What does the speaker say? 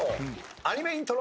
アニメイントロ。